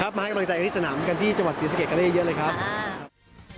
มาให้กำลังใจกันที่สนามกันที่จังหวัดศรีสะเกดกันได้เยอะเลยครับ